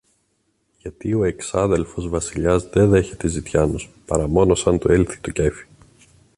Γιατί ο εξάδελφος Βασιλιάς δε δέχεται ζητιάνους, παρά μόνο σαν του έλθει το κέφι.